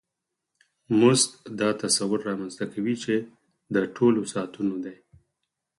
مزد دا تصور رامنځته کوي چې د ټولو ساعتونو دی